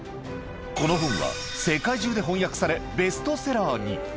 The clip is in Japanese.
この本は世界中で翻訳され、ベストセラーに。